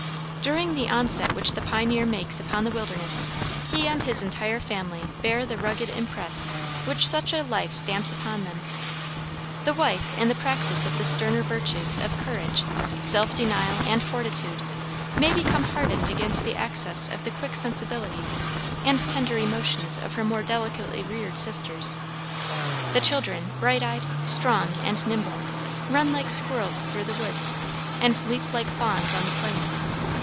During the onset which the pioneer makes upon the wilderness he and his entire family bear the rugged impress which such a life stamps upon them. The wife, in the practice of the sterner virtues of courage, self denial, and fortitude, may become hardened against the access of the quick sensibilities and tender emotions of her more delicately reared sisters. The children, bright eyed, strong, and nimble, run like squirrels through the woods, and leap like fawns on the plain.